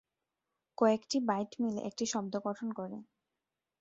কয়েকটি বাইট মিলে একটি শব্দ গঠন করে।